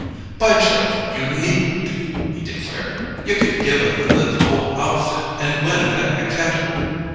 "By Jove, you needn't be!" he declared. "You could give 'em the whole outfit and win at a canter!"